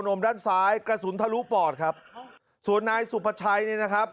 มด้านซ้ายกระสุนทะลุปอดครับส่วนนายสุภาชัยเนี่ยนะครับ